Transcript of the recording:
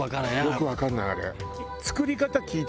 よくわかんないあれ。